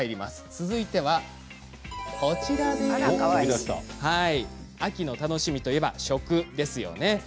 続いては、秋の楽しみといえば食ですよね。